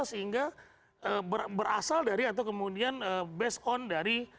sehingga berasal dari atau kemudian based on dari